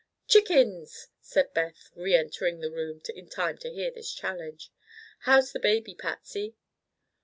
"Chickens!" said Beth, re entering the room in time to hear this challenge. "How's the baby, Patsy?"